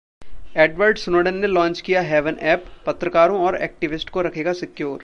Edward Snowden ने launch किया Haven app, पत्रकारों और ऐक्टिविस्ट को रखेगा सिक्योर